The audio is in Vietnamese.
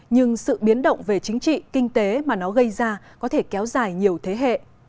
nhưng sự biến động về chính trị kinh tế mà nó gây ra có thể kéo dài nhiều thế hệ